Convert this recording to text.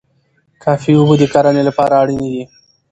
کافي اوبه د کرنې لپاره اړینې دي.